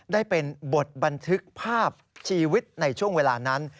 ได้เป็นบทบันทึกภาพชีวิตในช่วงเวลานั้น